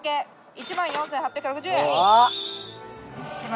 １４，８６０円。